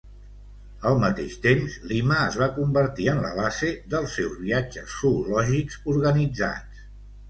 Al mateix temps, Lima es va convertir en la base dels seus viatges zoològics organitzats.